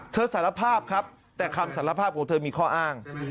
สารภาพครับแต่คำสารภาพของเธอมีข้ออ้าง